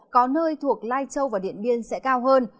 có nơi thuộc lai châu và điện biên sẽ cao hơn